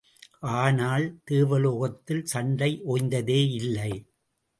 ஆனால், தேவலோகத்தில் சண்டை ஓய்ந்ததே இல்லை.